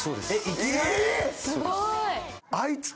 すごい。